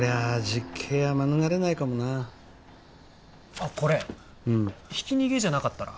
実刑は免れないかもなこれひき逃げじゃなかったら？